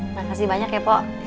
makasih banyak ya pak